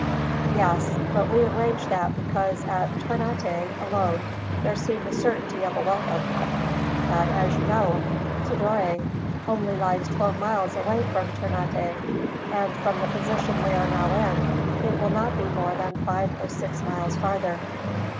"Yes, but we arranged that because at Ternate, alone, there seemed a certainty of a welcome. But, as you know, Tidore only lies twelve miles away from Ternate; and from the position we are now in, it will not be more than five or six miles farther.